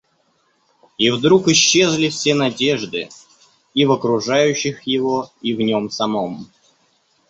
И вдруг исчезли все надежды и в окружающих его и в нем самом.